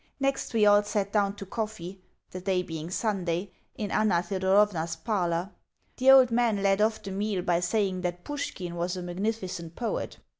Next we all sat down to coffee (the day being Sunday) in Anna Thedorovna's parlour. The old man led off the meal by saying that Pushkin was a magnificent poet.